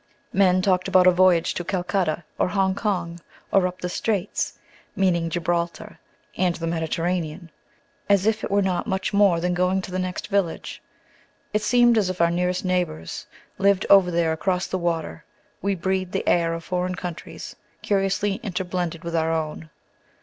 Men talked about a voyage to Calcutta, or Hong Kong, or "up the Straits," meaning Gibraltar and the Mediterranean, as if it were not much more than going to the next village. It seemed as if our nearest neighbors lived over there across the water; we breathed the air of foreign countries, curiously interblended with our own.